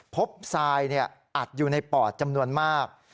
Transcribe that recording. ทรายอัดอยู่ในปอดจำนวนมาก